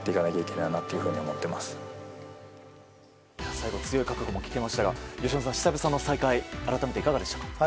最後、強い覚悟も聞けましたが由伸さん久々の再会改めていかがでしたか。